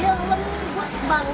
dia lembut banget